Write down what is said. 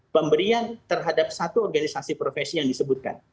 pemberian terhadap satu organisasi profesi yang disebutkan